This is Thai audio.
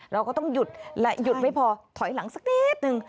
เราก็ต้องหยุดและหยุดไม่พอถอยหลังสักนิดนึง